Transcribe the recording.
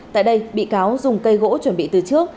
tại đây bị cáo dùng cây gỗ chuẩn bị từ trước